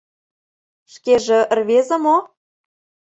— Шкеже рвезе мо?